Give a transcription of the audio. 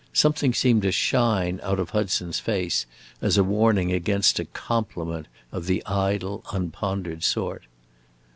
Something seemed to shine out of Hudson's face as a warning against a "compliment" of the idle, unpondered sort.